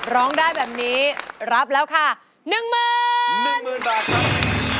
ร้องได้แบบนี้รับแล้วค่ะ๑๑๐๐๐บาทครับ